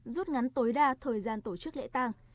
rút ngắn tối đa thời gian tổ chức lễ tàng